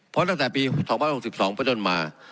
เพราะตั้งแต่ปี๒๐๖๒ไปจนมา